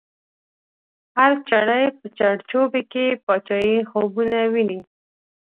هر چړی په چړ چوبی کی، پاچایی خوبونه وینی